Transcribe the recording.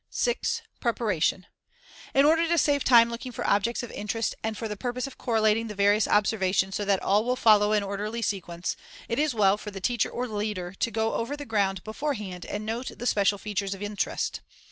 6. Preparation: In order to save time looking for objects of interest and for the purpose of correlating the various observations so that all will follow in orderly sequence, it is well for the teacher or leader to go over the ground beforehand and note the special features of interest.